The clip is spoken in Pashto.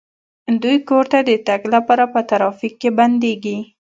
دوی کور ته د تګ لپاره په ترافیک کې بندیږي